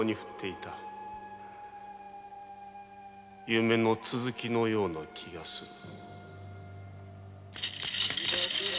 夢の続きのような気がする。